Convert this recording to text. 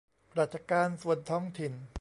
ราชการส่วนท้องถิ่น